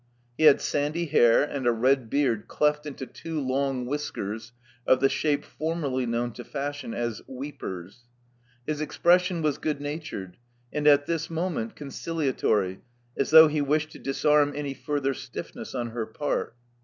He had sandy hair, and a red beard cleft into two long whiskers of the shape formerly known to fashion as weepers. " His expres sion was good natured, and, at this moment,, con ciliatory, as though he wished to disarm any further stiffness on her part.